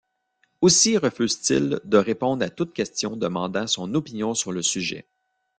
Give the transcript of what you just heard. Aussi refuse-t-il de répondre à toute question demandant son opinion sur le sujet.